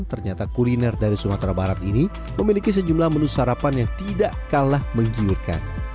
ternyata kuliner dari sumatera barat ini memiliki sejumlah menu sarapan yang tidak kalah menggiurkan